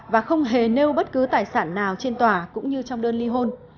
và không hề nêu bất cứ tài sản nào trên tòa cũng như trong đơn ly hôn